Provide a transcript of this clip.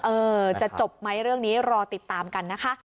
เออจะจบไหมเรื่องนี้รอติดตามกันนะคะ